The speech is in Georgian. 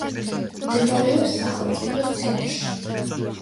მდებარეობს სახელმწიფოს ცენტრში.